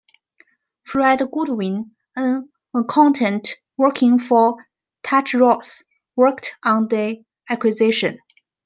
Fred Goodwin, an accountant working for Touche Ross, worked on the acquisition.